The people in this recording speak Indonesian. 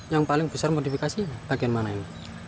yang paling besar modifikasi bagian mana ini